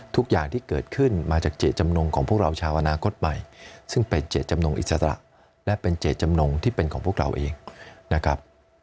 ทุกอย่างที่เกิดขึ้นมาจากเจตจำนงของพวกเราชาวอนาคตใหม่ซึ่งเป็นเจตจำนงอิสระและเป็นเจตจำนงที่เป็นของพวกเราเองนะครับ